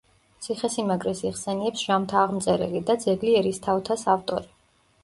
ციხესიმაგრეს იხსენიებს ჟამთააღმწერელი და „ძეგლი ერისთავთას“ ავტორი.